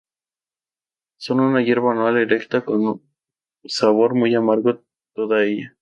Es una hierba anual erecta con sabor muy amargo toda ella.